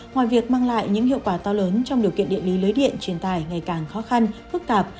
ngoài việc mang lại những hiệu quả to lớn trong điều kiện điện lý lưới điện truyền tải ngày càng khó khăn phức tạp